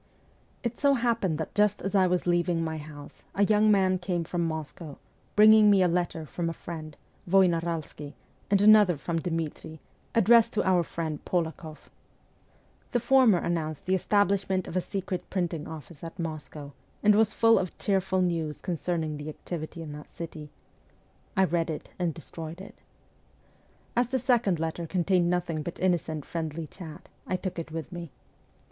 It so happened that just as I was leaving my house a young man came from Moscow, bringing me a letter from a friend, Voinaralsky, and another from Dmitri, addressed to our friend Polakoff. The former an nounced the establishment of a secret printing office at Moscow, and was full of cheerful news concerning the activity in that city. I read it and destroyed it. As the second letter contained nothing but innocent friendly chat, I took it with me.